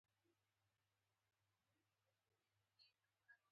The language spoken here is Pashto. د یو پرمختللي هیواد په توګه.